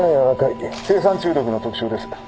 青酸中毒の特徴です。